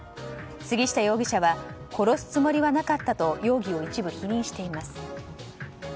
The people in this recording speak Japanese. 杉下容疑者は殺すつもりはなかったと容疑を一部否認しています。